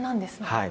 はい。